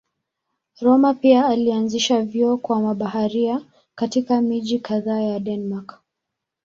Rømer pia alianzisha vyuo kwa mabaharia katika miji kadhaa ya Denmark.